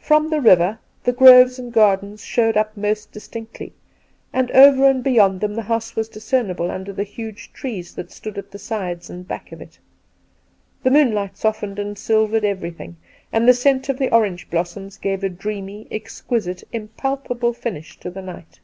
From the river the groves and gardens showed up most distinctly, and over and beyond them the house was discernible under the huge trees that stood at the sides and back of it. The moonlight softened and silvered everything, and the scent of the orange blossoms gave a dreamy, exquisite, impalpable finish to the night.